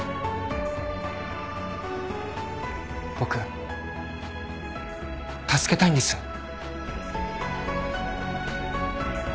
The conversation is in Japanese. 僕助けたいんです。